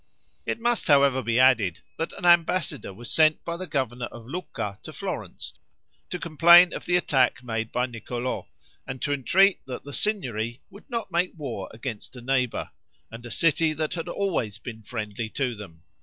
It must, however, be added, that an ambassador was sent by the governor of Lucca to Florence, to complain of the attack made by Niccolo, and to entreat that the Signory would not make war against a neighbor, and a city that had always been friendly to them.